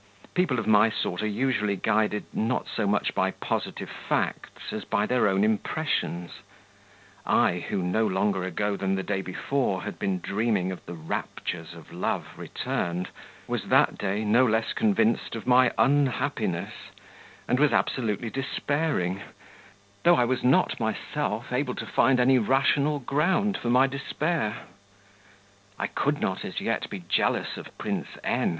People of my sort are usually guided, not so much by positive facts, as by their own impressions: I, who no longer ago than the day before had been dreaming of the 'raptures of love returned,' was that day no less convinced of my 'unhappiness,' and was absolutely despairing, though I was not myself able to find any rational ground for my despair. I could not as yet be jealous of Prince N.